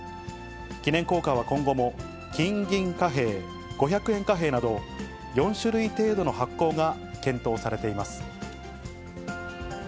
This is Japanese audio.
記念硬貨は今後も、金・銀貨幣、五百円貨幣など、４種類程度の発行が検討されています。